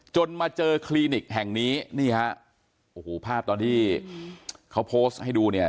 มาเจอคลินิกแห่งนี้นี่ฮะโอ้โหภาพตอนที่เขาโพสต์ให้ดูเนี่ย